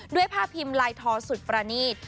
ด้วยผ้าพิมพ์ลายทอสุดประณีต